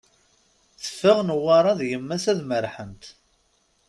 Teffeɣ Newwara d yemma-s ad merrḥent.